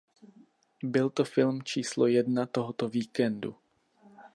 Byl to film číslo jedna tohoto víkendu.